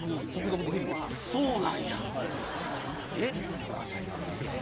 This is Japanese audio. いや最高ですねぇ。